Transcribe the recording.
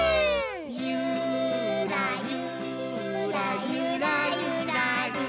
「ゆーらゆーらゆらゆらりー」